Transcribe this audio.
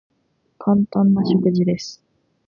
簡単な食事です。